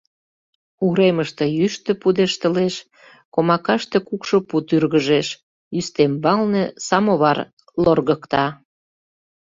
Уремыште йӱштӧ пудештылеш, комакаште кукшо пу тӱргыжеш, ӱстембалне самовар лоргыкта.